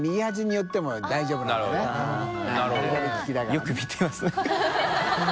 よく見てますね